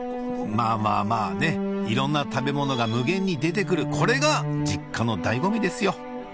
まぁまぁまぁねいろんな食べ物が無限に出てくるこれが実家の醍醐味ですよ